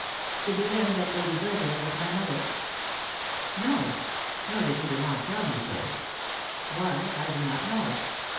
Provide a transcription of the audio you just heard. "Did you learn that Lady Burville was my mother?" "No: nor did Edermont tell me so. Why, I do not know.